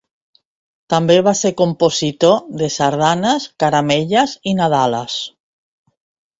També va ser compositor de sardanes, caramelles i nadales.